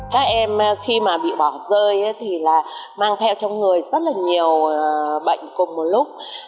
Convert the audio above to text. các em khi mà bị bỏ rơi thì là mang theo trong người rất là nhiều bệnh cùng một lúc